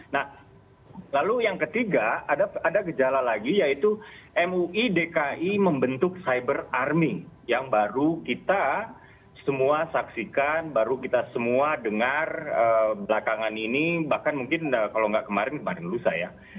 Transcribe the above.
nah lalu yang ketiga ada gejala lagi yaitu mui dki membentuk cyber army yang baru kita semua saksikan baru kita semua dengar belakangan ini bahkan mungkin kalau nggak kemarin kemarin lusa ya